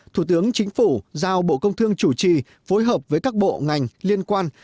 thủ tướng chính phủ giao bộ công thương chủ trì phối hợp với các bộ ngành liên quan